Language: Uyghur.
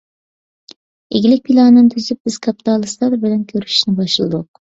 ئىگىلىك پىلانىنى تۈزۈپ، بىز كاپىتالىستلار بىلەن كۆرۈشۈشنى باشلىدۇق.